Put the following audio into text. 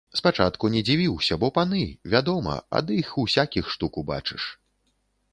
Спачатку не дзівіўся, бо паны, вядома, ад іх усякіх штук убачыш.